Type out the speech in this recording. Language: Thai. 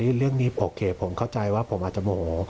ก็ขอโทษด้วยเรื่องนี้โอเคผมเข้าใจว่าผมอาจจะโห